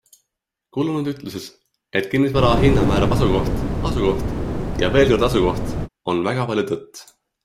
Kulunud ütluses, et kinnisvara hinna määrab asukoht, asukoht ja veelkord asukoht, on väga palju tõtt.